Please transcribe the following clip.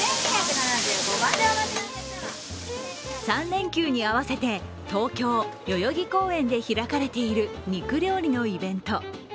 ３連休に合わせて東京・代々木公園で開かれている肉料理のイベント。